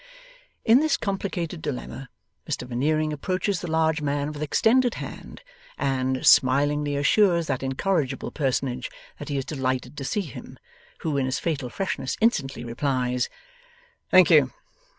In this complicated dilemma, Mr Veneering approaches the large man with extended hand and, smilingly assures that incorrigible personage that he is delighted to see him: who in his fatal freshness instantly replies: 'Thank you.